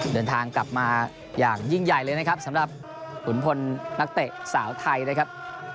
เดินทางกลับมาอย่างยิ่งใหญ่เลยนะครับสำหรับขุนพลนักเตะสาวไทยนะครับ